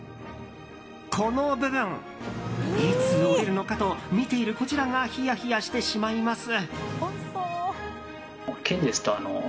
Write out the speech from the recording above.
この部分、いつ折れるのかと見ているこちらがひやひやしてしまいます。